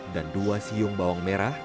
dan dua siung bawang merah